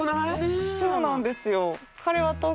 そうなんですよ。